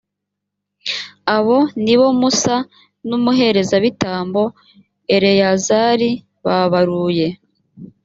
abo ni bo musa n’umuherezabitambo eleyazari babaruye.